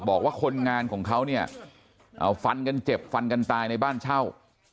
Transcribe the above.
บอกว่าคนงานของเขาเนี่ยเอาฟันกันเจ็บฟันกันตายในบ้านเช่า